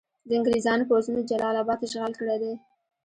د انګریزانو پوځونو جلال اباد اشغال کړی دی.